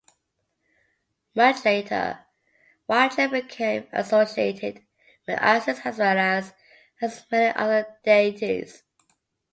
Much later, Wadjet became associated with Isis as well as with many other deities.